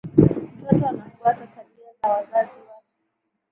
Mtoto anafuata tabia ya wazazi wake